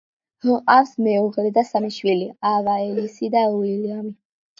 ჰყავს მეუღლე და სამი შვილი: ავა, ელისი და უილიამი.